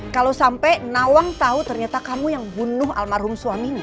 kalo sampe nawang tau ternyata kamu yang bunuh almarhum suaminya